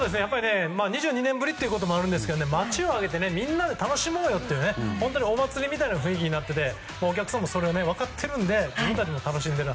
２２年ぶりということもあるんですが街を挙げてみんなで楽しもうよというお祭りみたいな雰囲気になっていて、お客さんもそれを分かってるので自分たちも楽しんでる。